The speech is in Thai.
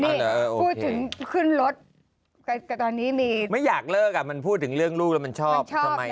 พูดถึงขึ้นรถตอนนี้มีไม่อยากเลิกมันพูดถึงเรื่องลูกแล้วมันชอบ